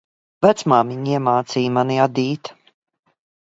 Vecmāmiņa iemācīja mani adīt.